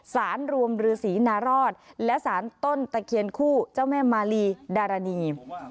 สารรวมฤษีนารอดและสารต้นตะเคียนคู่เจ้าแม่มาลีดารณี